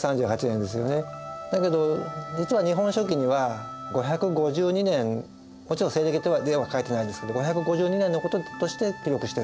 だけど実は「日本書紀」には５５２年もちろん西暦では書いてないですけど５５２年のこととして記録してるんです。